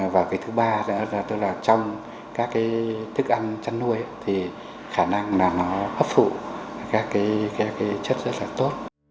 và thứ ba là trong các thức ăn chăn nuôi thì khả năng là nó hấp phụ các chất rất là tốt